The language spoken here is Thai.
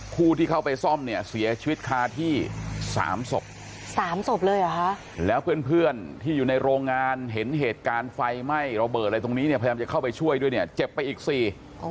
ผู้ที่เข้าไปซ่อมเนี่ยเสียชีวิตคาที่สามศพสามศพเลยเหรอคะแล้วเพื่อนเพื่อนที่อยู่ในโรงงานเห็นเหตุการณ์ไฟไหม้ระเบิดอะไรตรงนี้เนี่ยพยายามจะเข้าไปช่วยด้วยเนี่ยเจ็บไปอีกสี่